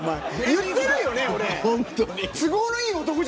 言ってるよね、俺。